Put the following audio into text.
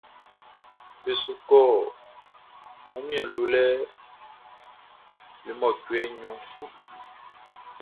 Be su kɔ wunmiɛn lolɛ le mɔcuɛ nɲɔn sin.